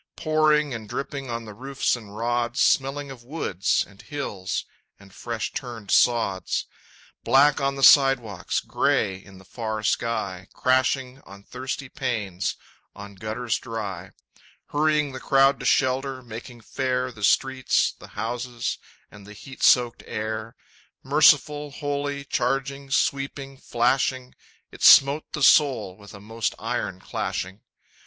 Pouring and dripping on the roofs and rods, Smelling of woods and hills and fresh turned sods, Black on the sidewalks, gray in the far sky, Crashing on thirsty panes, on gutters dry, Hurrying the crowd to shelter, making fair The streets, the houses, and the heat soaked air, Merciful, holy, charging, sweeping, flashing, It smote the soul with a most iron clashing!...